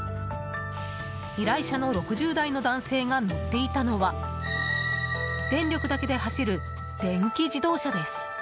依頼者の６０代の男性が乗っていたのは電力だけで走る電気自動車です。